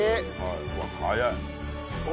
うわっ早い！